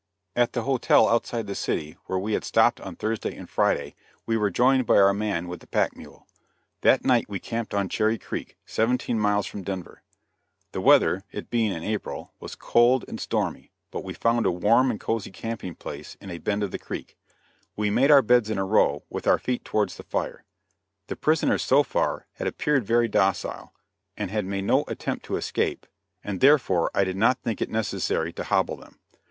At the hotel outside the city, where we had stopped on Thursday and Friday, we were joined by our man with the pack mule. That night we camped on Cherry Creek, seventeen miles from Denver. The weather it being in April was cold and stormy, but we found a warm and cosy camping place in a bend of the creek. We made our beds in a row, with our feet towards the fire. The prisoners so far had appeared very docile, and had made no attempt to escape, and therefore I did not think it necessary to hobble them.